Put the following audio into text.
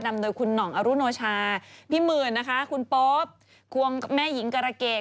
นำโดยคุณหน่องอรุโนชาพี่หมื่นนะคะคุณโป๊ปควงแม่หญิงการะเกด